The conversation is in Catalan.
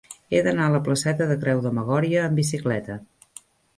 He d'anar a la placeta de Creu de Magòria amb bicicleta.